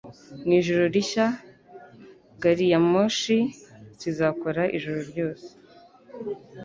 Mu ijoro rishya gari ya moshi zizakora ijoro ryose